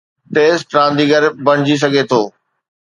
Test رانديگر بڻجي سگهي ٿو.